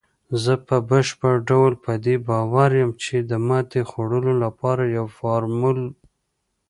زه په بشپړ ډول په دې باور یم، چې د ماتې خوړلو لپاره یو فارمول